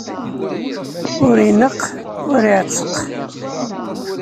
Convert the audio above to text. Ur ineqq, ur iɛetteq.